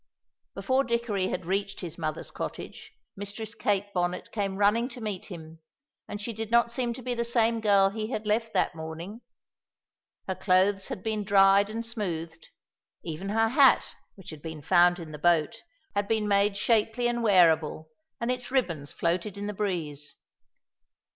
Before Dickory had reached his mother's cottage Mistress Kate Bonnet came running to meet him, and she did not seem to be the same girl he had left that morning. Her clothes had been dried and smoothed; even her hat, which had been found in the boat, had been made shapely and wearable, and its ribbons floated in the breeze.